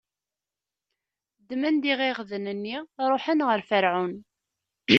Ddmen-d iɣiɣden-nni, ṛuḥen ɣer Ferɛun.